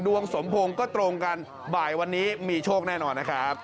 ดวงสมพงศ์ก็ตรงกันบ่ายวันนี้มีโชคแน่นอนนะครับ